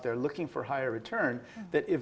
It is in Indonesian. tidak kira dimana mereka lahir